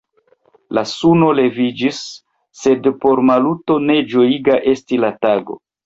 La suno leviĝis, sed por Maluto ne ĝojiga estis la tago.